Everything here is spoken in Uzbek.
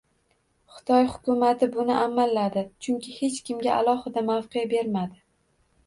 Xitoy hukumati buni amalladi, chunki hech kimga alohida mavqe bermadi...